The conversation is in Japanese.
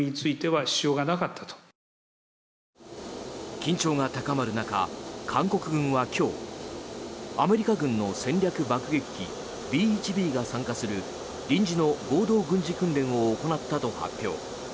緊張が高まる中、韓国軍は今日アメリカ軍の戦略爆撃機Ｂ１Ｂが参加する臨時の合同軍事訓練を行ったと発表。